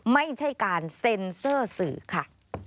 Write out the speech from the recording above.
ไม่ใช่การเซ็นเซอร์สื่อค่ะ